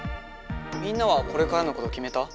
みんなはこれからのこときめた？